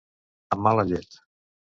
Amb mala llet.